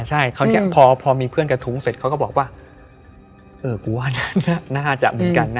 ใช่คราวนี้พอมีเพื่อนกระทุ้งเสร็จเขาก็บอกว่าเออกลัวน่าจะเหมือนกันนะ